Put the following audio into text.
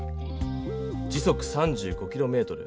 時速３５キロメートル。